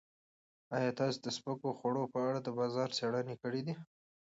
ایا تاسو د سپکو خوړو په اړه د بازار څېړنې کړې دي؟